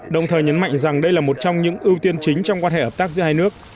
đồng thời nhấn mạnh rằng đây là một trong những ưu tiên chính trong quan hệ hợp tác giữa hai nước